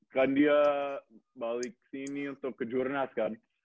kan dia balik sini untuk ke jurnas kan